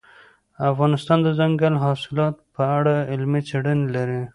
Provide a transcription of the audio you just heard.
افغانستان د دځنګل حاصلات په اړه علمي څېړنې لري.